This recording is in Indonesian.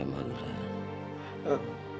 lu ada apa mbak be